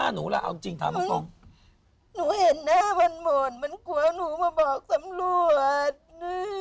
หนูเห็นหน้ามันโหมดมันกลัวหนูมาบอกสำรวจ